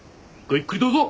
ゆっくりどうぞ！